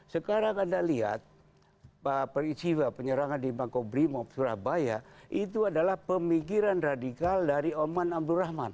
sekarang anda lihat pak peritsiwa penyerangan di mangkobrimo surabaya itu adalah pemikiran radikal dari oman abdul rahman